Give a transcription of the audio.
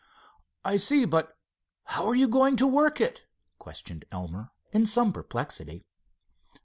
"I see; but how are you going to work it?" questioned Elmer, in some perplexity.